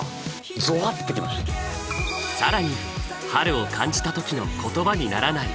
更に春を感じた時の言葉にならない